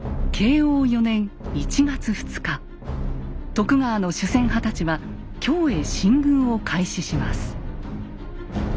徳川の主戦派たちは京へ進軍を開始します。